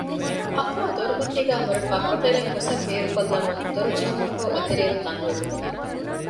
އަފާ ދޮރުމަތީގައި ހުރެފައި ކޮޓަރިން ހުސެން ބޭރުކޮށްލަމުން ދޮރުޖެހުމަށްފަހު އެތެރެއިން ތަންޑު އެޅުވި